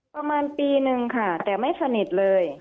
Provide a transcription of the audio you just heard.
ประมาณปีนึงค่ะแต่ไม่สนิทเลย